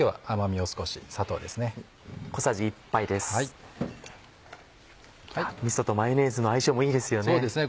みそとマヨネーズの相性もいいですよね。